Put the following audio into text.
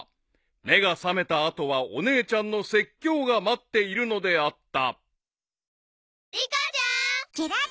［目が覚めた後はお姉ちゃんの説教が待っているのであった］